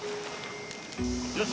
よし！